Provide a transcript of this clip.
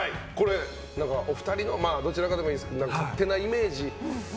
お二人、どちらかでもいいですが勝手なイメージ。